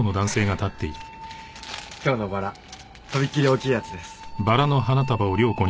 今日のバラとびっきり大きいやつです。